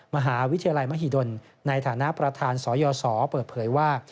มหาวิทยาลัยมหิดลในฐานะประธานสยศเปิดเผยว่า